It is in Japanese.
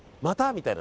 みたいな。